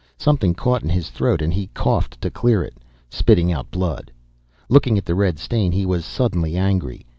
Something caught in his throat and he coughed to clear it, spitting out blood. Looking at the red stain he was suddenly angry.